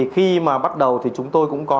khi mà bắt đầu thì chúng tôi cũng có